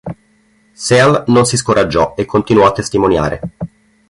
Seal non si scoraggiò e continuò a testimoniare.